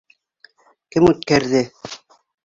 Кем үткәрҙе?